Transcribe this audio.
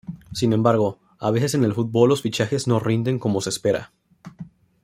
Sin embargo, a veces en el fútbol los fichajes no rinden como se espera.